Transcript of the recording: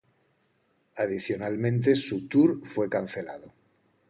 Adicionalmente, su tour fue cancelado.